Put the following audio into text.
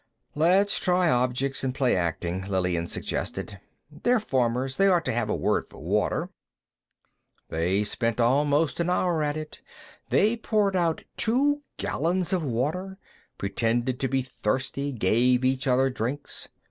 "Let's try objects, and play acting," Lillian suggested. "They're farmers; they ought to have a word for water." They spent almost an hour at it. They poured out two gallons of water, pretended to be thirsty, gave each other drinks.